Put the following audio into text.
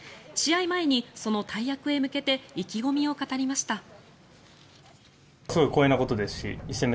試合前にその大役へ向けて意気込みを語りました。